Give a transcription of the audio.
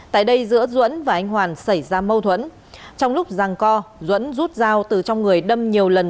tại đây giữa duẩn và anh hoàn xảy ra mâu thuẫn trong lúc giang co duẩn rút dao từ trong người đâm nhiều lần